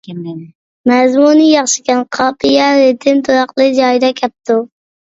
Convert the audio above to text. مەزمۇنى ياخشىكەن. قاپىيە، رىتىم، تۇراقلىرى جايىدا كەپتۇ.